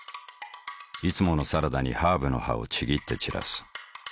いつものサラダにハーブの葉をちぎって散らす。